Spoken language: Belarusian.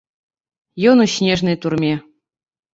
Ён у снежнай турме.